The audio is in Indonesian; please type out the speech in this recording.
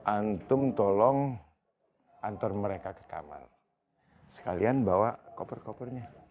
antum tolong antar mereka ke kamar sekalian bawa koper kopernya